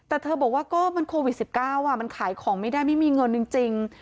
แต่เธอบอกว่าก็มันโควิด๑๙มันขายของไม่ได้ไม่มีเงินจริง